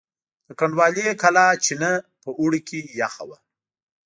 د کنډوالې کلا چینه په اوړي کې یخه وه.